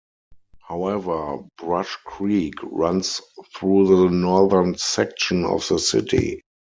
However, Brush Creek runs through the northern section of the city.